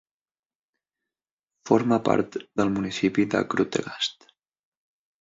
Forma part del municipi de Grootegast.